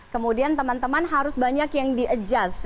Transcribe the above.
kemudian teman teman harus banyak yang di adjust